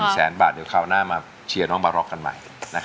แสนบาทเดี๋ยวคราวหน้ามาเชียร์น้องบาร็อกกันใหม่